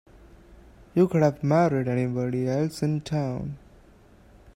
You could have married anybody else in town.